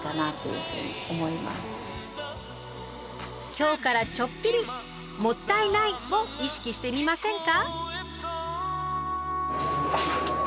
今日からちょっぴり「もったいない！」を意識してみませんか？